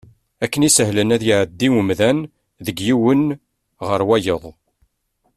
Akken isehlen ad iɛeddi umdan deg yiwen ɣer wayeḍ.